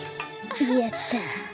やった。